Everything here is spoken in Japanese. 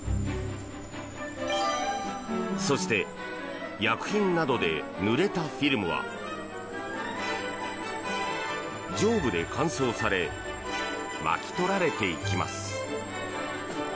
そして薬品などでぬれたフィルムは上部で乾燥され巻き取られていきます。